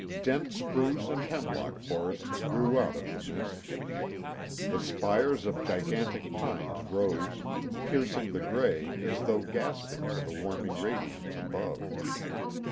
Dense spruce and hemlock forests grew out of the mists. The spires of gigantic pines rose, piercing the gray as though gasping for the warming radiance above.